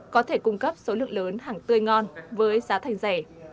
có thể cung cấp số lượng lớn hàng tươi ngon với giá thành rẻ